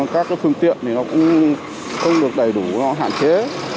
các phương tiện thì nó cũng không được đầy đủ hạn chế